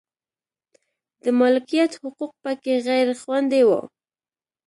د مالکیت حقوق په کې غیر خوندي و.